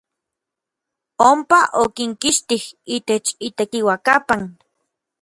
Ompa okinkixtij itech itekiuakapan.